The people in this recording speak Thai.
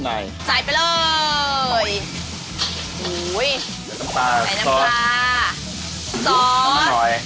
ไข่น้ำปลาซอส